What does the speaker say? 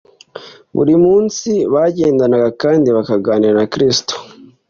Buri munsi bagendanaga kandi bakaganira na Kristo,